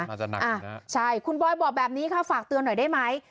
อาจจะหนักใช่คุณบอยบอกแบบนี้ค่ะฝากเตือนหน่อยได้ไหม